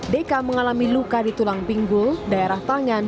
deka mengalami luka di tulang pinggul daerah tangan